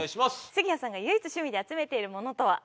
杉谷さんが唯一趣味で集めているものとは？